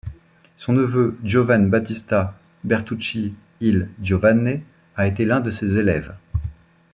Son neveu Giovan Battista Bertucci il Giovane a été l'un de ses élèves.